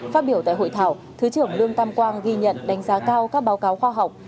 phát biểu tại hội thảo thứ trưởng lương tam quang ghi nhận đánh giá cao các báo cáo khoa học